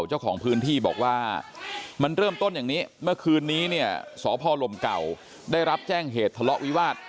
เจ้าของพื้นที่บอกว่ามันเริ่มต้นอย่างนี้เมื่อคืนนี้เนี่ยสพลมเก่าได้รับแจ้งเหตุทะเลาะวิวาส